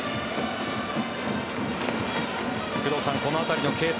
工藤さん、この辺りの継投